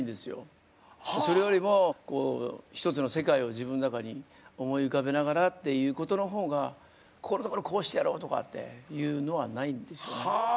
それよりも一つの世界を自分の中に思い浮かべながらっていうことのほうがここのところこうしてやろうとかっていうのはないんですよね。